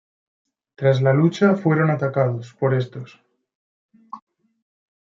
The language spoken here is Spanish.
Tras la lucha, fueron atacados por estos.